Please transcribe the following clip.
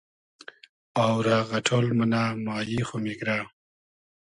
آو رۂ غئݖۉل مونۂ مایی خو میگرۂ